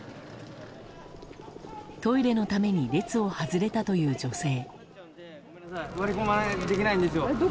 トイレのために列を外れたという女性。